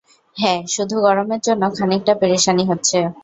হ্যা, শুধু গরমের জন্য খানিকটা পেরেশানি হচ্ছে।